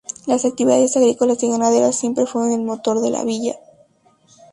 Las actividades agrícolas y ganaderas siempre fueron el motor de la villa.